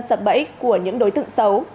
sợ bẫy của những đối tượng xấu